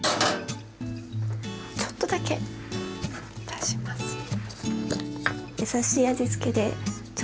ちょっとだけ足しますね。